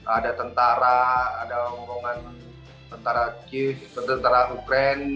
ada tentara ada orang orang tentara kiev tentara ukraine